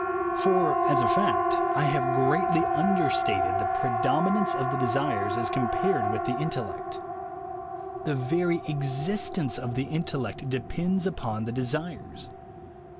For as a fact, I have greatly understated the pre dominance of the desires as compared with the intellect. The very existence of the intellect depends up6n the desires.